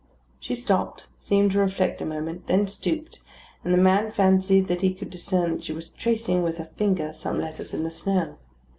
She stopped, seemed to reflect a moment, then stooped, and the man fancied that he could discern that she was tracing with her finger some letters in the snow.